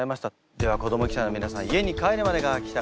では子ども記者の皆さん家に帰るまでが記者会見です。